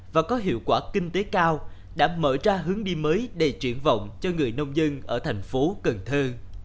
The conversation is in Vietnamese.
và có hiệu quả kinh tế cao đã mở ra hướng đi mới đầy triển vọng cho người nông dân ở thành phố cần thơ